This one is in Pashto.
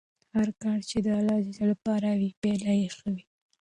هر کار چې د الله لپاره وي پایله یې ښه وي.